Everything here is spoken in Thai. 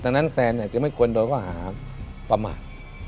ดังนั้นแซนจะไม่ควรโดนข้อหาประมาท